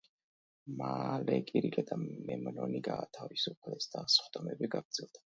მალე კირილე და მემნონი გაათავისუფლეს და სხდომები გაგრძელდა.